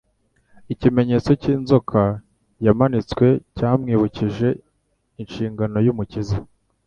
Ikimenyetso cy'inzoka yamanitswe cyamwibukije inshingano y'Umukiza.